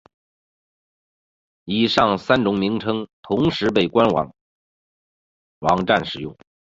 以上三种名称同时被官方网站使用。